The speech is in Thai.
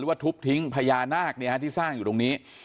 ว่าทุบทิ้งพญานาคที่สร้างอยู่ตรงนี้